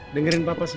dengerin papa sih